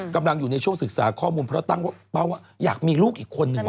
กำลังอยู่ในช่วงศึกษาข้อมูลพระราตังค์ว่าป้าวอยากมีลูกอีกคนนึงวะ